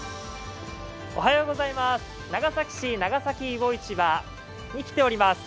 長崎市長崎魚市場に来ております。